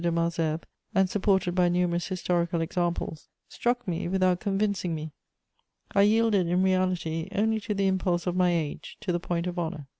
de Malesherbes, and supported by numerous historical examples, struck me without convincing me; I yielded in reality only to the impulse of my age, to the point of honour.